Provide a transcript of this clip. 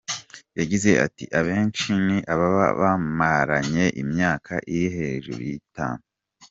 Yagize ati “Abenshi ni ababa bamaranye imyaka iri hejuru y’itanu.